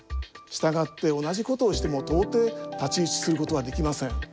したがって同じことをしても到底太刀打ちすることはできません。